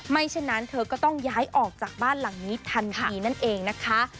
เช่นนั้นเธอก็ต้องย้ายออกจากบ้านหลังนี้ทันทีนั่นเองนะคะ